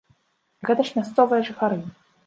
Гэта ж мясцовыя жыхары!